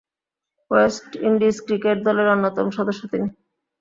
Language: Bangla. ওয়েস্ট ইন্ডিজ ক্রিকেট দলের অন্যতম সদস্য তিনি।